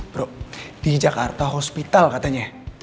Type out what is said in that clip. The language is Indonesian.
bro di jakarta hospital katanya